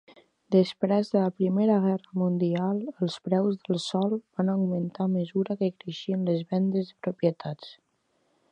Després de la Primera Guerra Mundial, els preus del sòl van augmentar a mesura que creixien les vendes de propietats.